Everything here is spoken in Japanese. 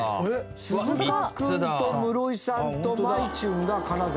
鈴鹿君と室井さんとまいちゅんが金沢。